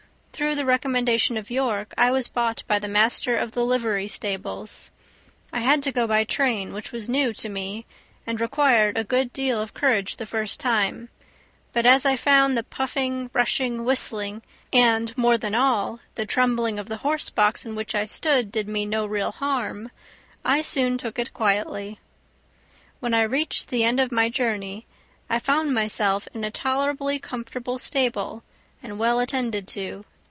Through the recommendation of York, I was bought by the master of the livery stables. I had to go by train, which was new to me, and required a good deal of courage the first time; but as I found the puffing, rushing, whistling, and, more than all, the trembling of the horse box in which I stood did me no real harm, I soon took it quietly. When I reached the end of my journey I found myself in a tolerably comfortable stable, and well attended to.